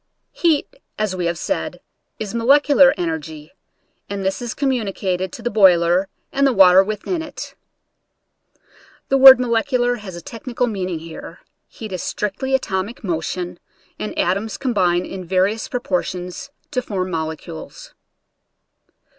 Heat, as we have said, is molecular energy, and this is communicated to the boiler and the water within it. (The word " molecular " has a technical meaning here. Heat is strictly atomic motion, and atoms combine in various proportions to form molecules.)